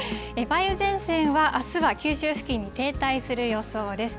梅雨前線は、あすは九州付近に停滞する予想です。